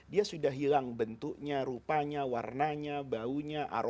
dia sudah hilang bentuknya rupanya warnanya baunya aromanya gitu